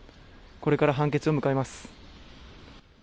これから判決を迎えます。